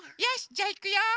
じゃあいくよ。